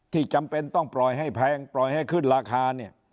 จำเป็นต้องปล่อยให้แพงปล่อยให้ขึ้นราคาเนี่ย